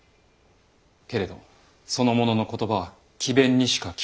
けれどその者の言葉は詭弁にしか聞こえず。